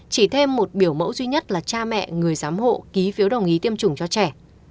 chỉ thêm một biểu mẫu duy nhất là cha mẹ người giám hộ ký phiếu đồng ý tiêm chủng cho trẻ